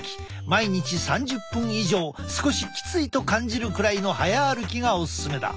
毎日３０分以上少しきついと感じるくらいの早歩きがおすすめだ。